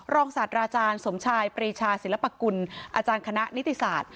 ศาสตราอาจารย์สมชายปรีชาศิลปกุลอาจารย์คณะนิติศาสตร์